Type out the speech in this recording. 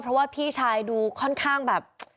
เพราะว่าพี่ชายดูค่อนข้างแบบ